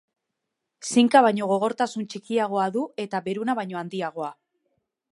Zinka baino gogortasun txikiagoa du eta beruna baino handiagoa.